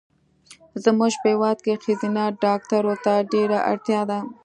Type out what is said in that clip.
زمونږ په هېواد کې ښځېنه ډاکټرو ته ډېره اړتیا ده